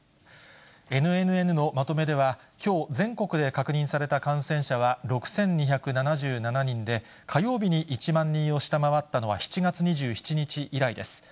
ＮＮＮのまとめでは、きょう全国で確認された感染者は６２７７人で、火曜日に１万人を下回ったのは７月２７日以来です。